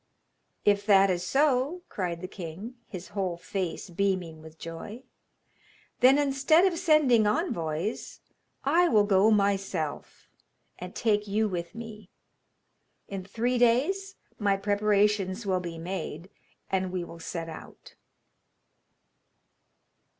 'If that is so,' cried the king, his whole face beaming with joy, 'then, instead of sending envoys, I will go myself, and take you with me. In three days my preparations will be made, and we will set out.'